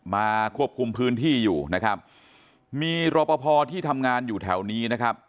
มาควบคุมพื้นที่อยู่นะครับมีรอปภที่ทำงานอยู่แถวนี้นะครับ